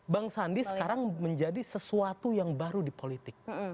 bang sandi sekarang menjadi sesuatu yang baru di politik